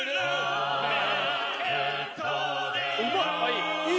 うまい！